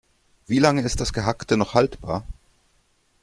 Wie lange ist das Gehackte noch haltbar?